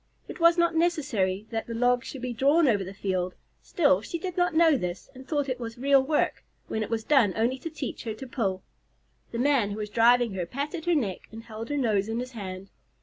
It was not necessary that the log should be drawn over the field; still, she did not know this, and thought it was real work, when it was done only to teach her to pull. The man who was driving her patted her neck and held her nose in his hand.